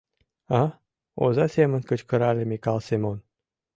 А? — оза семын кычкырале Микал Семон.